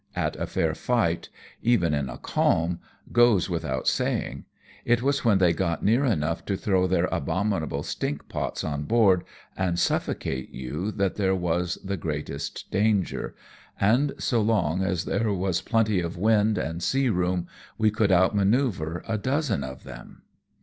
at a fair fight, even in a calm^ goes without saying ; it was when they got near enough to throw their abomin able stinkpots on board and suffocate you that there was the greatest danger, and so long as there was plenty of wind and sea room we could outmanoeuvre a dozen of them.